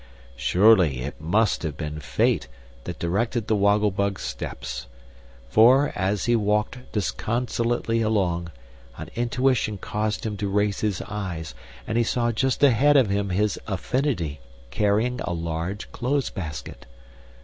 Surely it must have been Fate that directed the Woggle Bug's steps; for, as he walked disconsolately along, an intuition caused him to raise his eyes, and he saw just ahead of him his affinity carrying a large clothes basket.